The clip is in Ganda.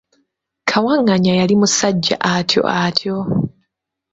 Kawaganya yali musajja atyo atyo.